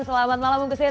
selamat malam bung kesit